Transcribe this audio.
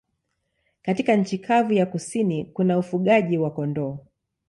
Katika nchi kavu ya kusini kuna ufugaji wa kondoo.